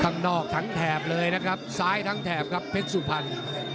ถ้านนอกทางเถบเลยนะครับซ้ายทางเถบเป็นสุภัณฑ์